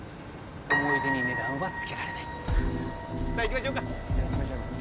思い出に値段はつけられないさあ行きましょうかじゃ閉めちゃいます